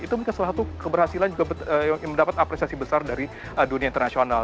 itu mungkin salah satu keberhasilan juga yang mendapat apresiasi besar dari dunia internasional